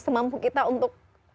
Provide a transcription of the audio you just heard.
semampu kita untuk